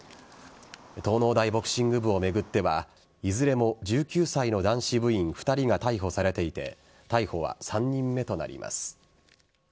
東農大ボクシング部を巡ってはいずれも１９歳の男子部員２人が逮捕されていて逮捕は３人目となります。